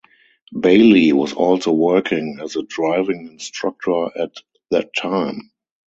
Bailey was also working as a driving instructor at that time.